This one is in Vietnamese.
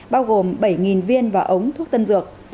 bao gồm bảy viên và ống thuốc tân dược